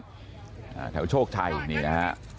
หาาถาวโชคชัยเมื่อกรุ่นในนี้นะฮะ